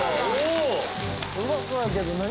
ウマそうやけど何？